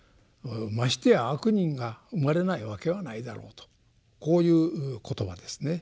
ましてや悪人が生まれないわけはないだろうとこういう言葉ですね。